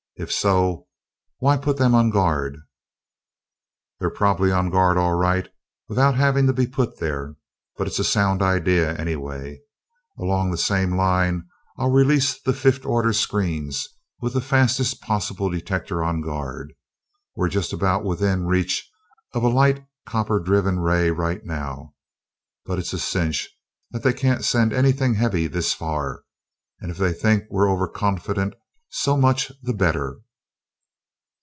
If so, why put them on guard?" "They're probably on guard, all right, without having to be put there but it's a sound idea, anyway. Along the same line I'll release the fifth order screens, with the fastest possible detector on guard. We're just about within reach of a light copper driven ray right now, but it's a cinch they can't send anything heavy this far, and if they think we're overconfident, so much the better."